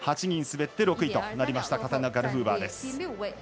８人滑って６位となりましたカタリナ・ガルフーバーです。